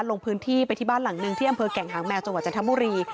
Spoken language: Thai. ลงพื้นที่ไปที่บ้านหลังหนึ่งที่อำเภอแก่งหางแมวจังหวัดจันทบุรี